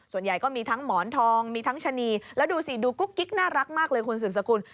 ส่วนใหญ่ก็มีทั้งหมอนทองมีทั้งชะนีแล้วดูสิดูกุ๊กกิ๊กน่ารักมากเลยคุณสืบสกุล